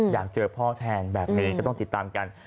อยากเจอพ่อแทนแบบนี้ก็ต้องติดตามกัน